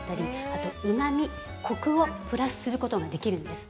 あとうまみ、コクをプラスすることができるんです。